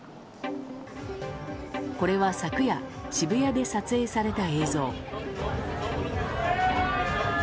これは昨夜渋谷で撮影された映像。